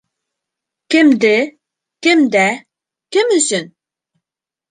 Кемде? Кемдә? Кем өсөн?